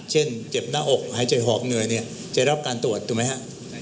เช่นเจ็บหน้าอกหายใจหอบเหนื่อยเนี่ยจะรับการตรวจถูกไหมฮะ